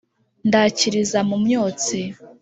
ndakiriza mu myotsi